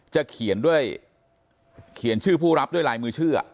จะเขียนชื่อผู้รับด้วยลายมือเชื่อ